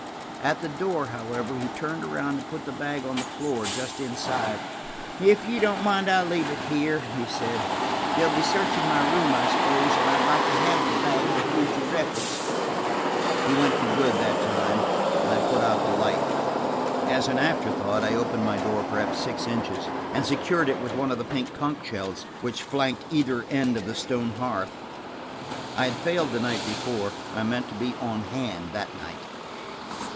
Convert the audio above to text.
At the door, however, he turned around and put the bag on the floor, just inside. "If you don't mind, I'll leave it here," he said. "They'll be searching my room, I suppose, and I'd like to have the bag for future reference." He went for good that time, and I put out the light. As an afterthought I opened my door perhaps six inches, and secured it with one of the pink conch shells which flanked either end of the stone hearth. I had failed the night before: I meant to be on hand that night.